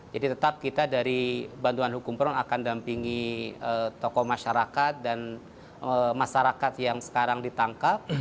jadi tetap kita dari bantuan hukum front akan dampingi tokoh masyarakat dan masyarakat yang sekarang ditangkap